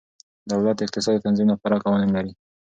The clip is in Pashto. دولت د اقتصاد د تنظیم لپاره قوانین لري.